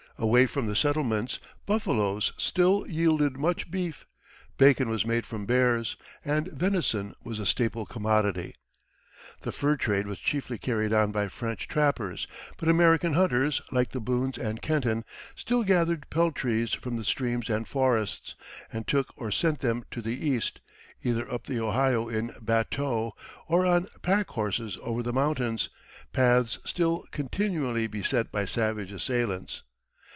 Away from the settlements buffaloes still yielded much beef, bacon was made from bears, and venison was a staple commodity. The fur trade was chiefly carried on by French trappers; but American hunters, like the Boones and Kenton, still gathered peltries from the streams and forests, and took or sent them to the East, either up the Ohio in bateaux or on packhorses over the mountains paths still continually beset by savage assailants.